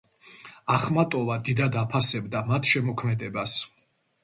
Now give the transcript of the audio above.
ახმატოვა დიდად აფასებდა მათ შემოქმედებას.